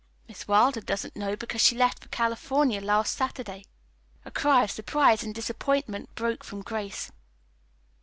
"Miss Wilder doesn't know, because she left for California last Saturday." A cry of surprise and disappointment broke from Grace.